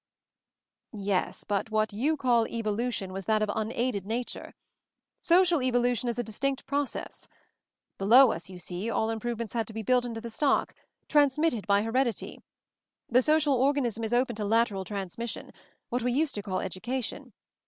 "Yes; but what you call Evolution' was that of unaided nature. Social evolution is a distinct process. Below us, you see, all improvements had to be built into the stock — transmitted by heredity. The social or ganism is open to lateral transmission — what we used to call education.